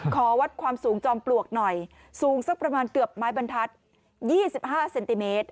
ขอวัดความสูงจอมปลวกหน่อยสูงสักประมาณเกือบไม้บรรทัศน์๒๕เซนติเมตร